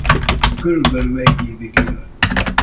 Körülbelül egy évig él.